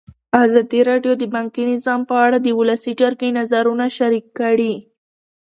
ازادي راډیو د بانکي نظام په اړه د ولسي جرګې نظرونه شریک کړي.